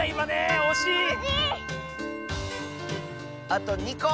あと２こ！